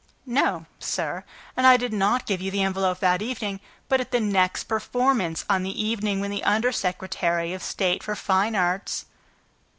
"No, sir, and I did not give you the envelope that evening, but at the next performance ... on the evening when the under secretary of state for fine arts